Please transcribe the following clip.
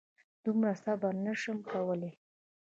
دومره صبر نه شم کولی.